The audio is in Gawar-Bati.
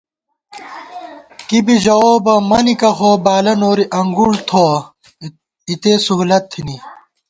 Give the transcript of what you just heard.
کی بی ژَؤو بہ مَنِکہ خو، بالہ نوری انگُوڑ تھوَہ ، اِتے سہولت تھنی